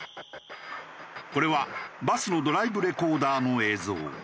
これはバスのドライブレコーダーの映像。